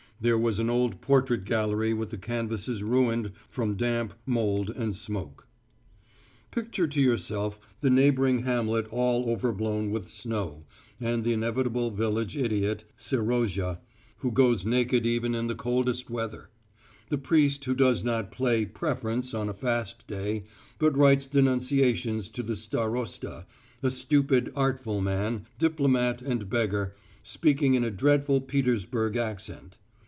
There was an old portrait gallery with the canvases ruined from damp, mould, and smoke. Picture to yourself the neighbouring hamlet all overblown with snow, and the inevitable village idiot, Serozha, who goes naked even in the coldest weather; the priest who does not play "preference" on a fast day, but writes denunciations to the starosta, a stupid, artful man, diplomat and beggar, speaking in a dreadful Petersburg accent.